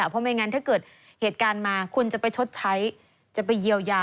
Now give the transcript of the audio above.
เพราะไม่งั้นถ้าเกิดเหตุการณ์มาคุณจะไปชดใช้จะไปเยียวยา